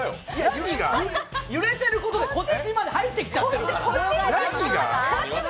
揺れてることでこっちまで入ってきちゃってるから！